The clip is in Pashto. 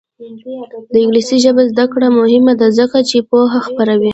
د انګلیسي ژبې زده کړه مهمه ده ځکه چې پوهه خپروي.